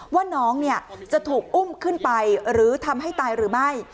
ว่าน้องจะถูกอุ้มขึ้นไปหรือทำให้ตายหรือไม่